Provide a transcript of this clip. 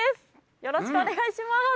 よろしくお願いします。